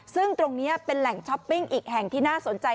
ซึ่งตรงนี้เป็นแหล่งช้อปปิ้งอีกแห่งที่น่าสนใจ